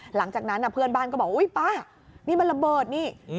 หลังจากนั้นเพื่อนบ้านก็บอกอุ๊ยป้านี่มันระเบิดนี่